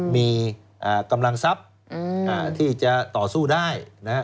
มีกำลังทรัพย์ที่จะต่อสู้ได้นะครับ